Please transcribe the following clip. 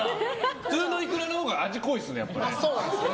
普通のイクラのほうが味が濃いですね。